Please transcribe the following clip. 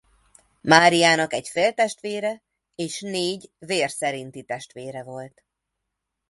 Mariának egy féltestvére és négy vér szerinti testvére volt.